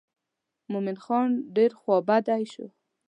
مومن خان ډېر خوا بډی شو.